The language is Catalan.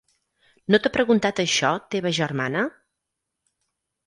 No t'ha preguntat això teva germana?